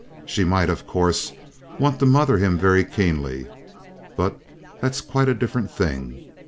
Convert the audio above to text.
She might, of course, want to mother him very keenly. But that's quite a different thing."